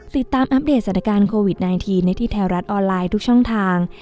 อัปเดตสถานการณ์โควิด๑๙ในที่แถวรัฐออนไลน์ทุกช่องทาง